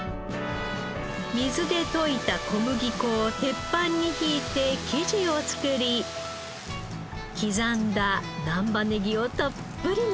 水で溶いた小麦粉を鉄板に引いて生地を作り刻んだ難波ネギをたっぷりのせます！